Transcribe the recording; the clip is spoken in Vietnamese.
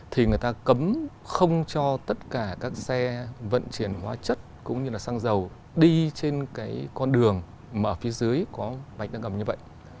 thì người ta cấm không cho tất cả các xe vận chuyển hóa chất cũng như là xăng dầu đi trên cái con đường mở phía dưới có bạch đăng ngầm như vậy